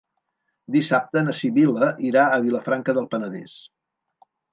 Dissabte na Sibil·la irà a Vilafranca del Penedès.